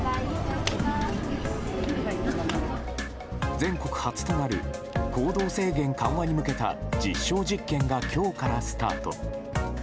全国初となる行動制限緩和に向けた実証実験が今日からスタート。